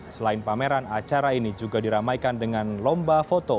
selain pameran acara ini juga diramaikan dengan lomba foto